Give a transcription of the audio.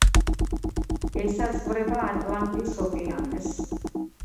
ესაზღვრება ატლანტის ოკეანეს.